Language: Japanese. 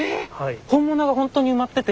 本物がほんとに埋まってて？